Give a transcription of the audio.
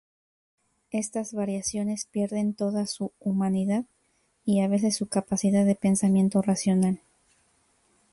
Estas variaciones pierden toda su humanidad, y a veces su capacidad de pensamiento racional.